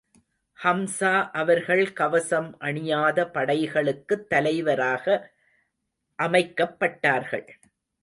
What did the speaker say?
ஹம்ஸா அவர்கள் கவசம் அணியாத படைகளுக்குத் தலைவராக அமைக்கப்பட்டார்கள்.